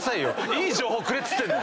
いい情報くれっつってんの！